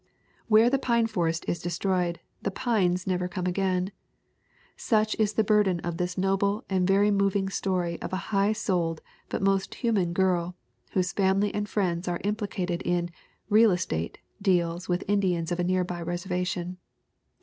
" 'Where the pine forest is destroyed, the pines never come again/ such is the burden of this noble and very moving story of a high souled but most human girl, whose family and friends are implicated in Veal estate' deals with Indians of a nearby reser vation.